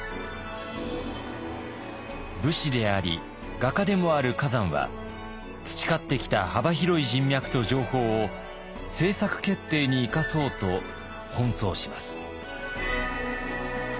武士であり画家でもある崋山は培ってきた幅広い人脈と情報を政策決定に生かそうと奔走します。